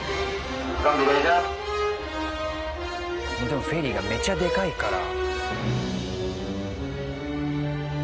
でもフェリーがめちゃでかいから。